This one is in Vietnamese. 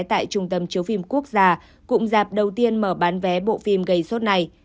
tại trung tâm chiếu phim quốc gia cụm dạp đầu tiên mở bán vé bộ phim gây xuất này